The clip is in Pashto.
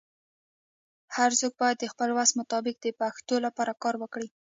هرڅوک باید د خپل وس مطابق د پښتو لپاره کار وکړي.